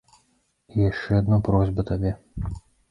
І яшчэ адна просьба табе.